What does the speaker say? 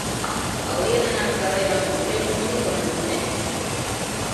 Hauria d'anar al carrer del Progrés número noranta-set.